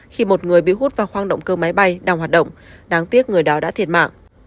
khi một người bị hút và khoang động cơ máy bay đang hoạt động đáng tiếc người đó đã thiệt mạng